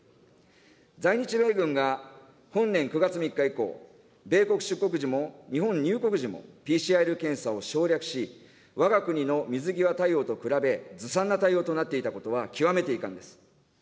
在日米軍が本年９月３日以降、米国出国時も、日本入国時も、ＰＣＲ検査を省略し、わが国の水際対応と比べ、ずさんな対応となっていたことは極めて遺憾です。